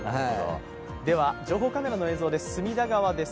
では情報カメラの映像です。